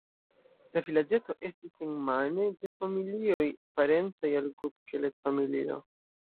La vilaĝeto estis enmane de familioj, parencaj al Gut-Keled-familio.